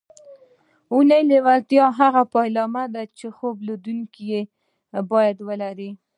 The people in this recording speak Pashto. اورنۍ لېوالتیا هغه پیلامه ده چې خوب لیدونکي یې باید ولري